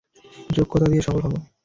যোগ্যতা দিয়ে সফল হবো।